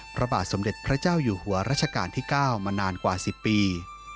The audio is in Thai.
พระบาทสมเด็จพระเจ้าอยู่หัวรัชกาลที่๙มานานกว่า๑๐ปี